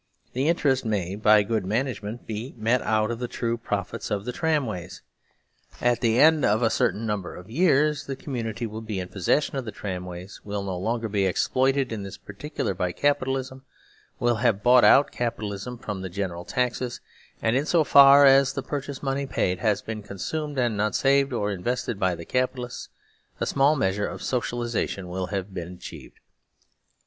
The "interest" may by good management be met out of the true profits of the tramways. At the end of a certain number of years the community will be in possession of the tramways, will no longer be exploited in this particular by Capi talism, will have bought out Capitalism from the 1 80 SERVILE STATE HAS BEGUN general taxes, and, in so far as the purchase money paid has been consumed and not saved or invested by the Capitalists, a small measure of "socialisation" will have been achieved.